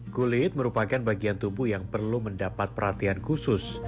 kulit merupakan bagian tubuh yang perlu mendapat perhatian khusus